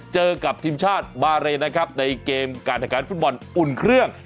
เจอกับทีมชาติบาเรนนะครับในเกมการแข่งขันฟุตบอลอุ่นเครื่อง